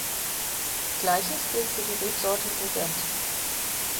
Gleiches gilt für die Rebsorte Regent.